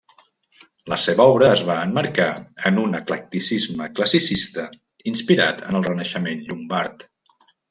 La seva obra es va emmarcar en un eclecticisme classicista inspirat en el Renaixement llombard.